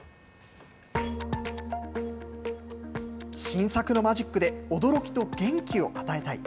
新作のマジックで驚きと元気を与えたい。